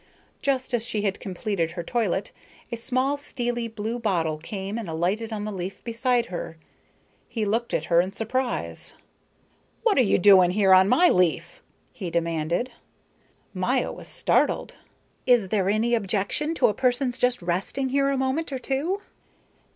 Just as she had completed her toilet a small steely blue bottle came and alighted on the leaf beside her. He looked at her in surprise. "What are you doing here on my leaf?" he demanded. Maya was startled. "Is there any objection to a person's just resting here a moment or two?"